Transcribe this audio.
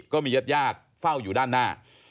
ก็มีญาติญาติเฝ้าอยู่ด้านหน้า